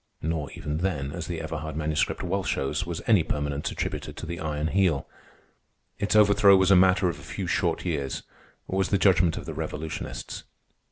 Nor even then, as the Everhard Manuscript well shows, was any permanence attributed to the Iron Heel. Its overthrow was a matter of a few short years, was the judgment of the revolutionists.